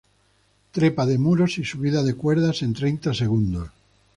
Trepa de muros y subida de cuerdas en treinta segundos.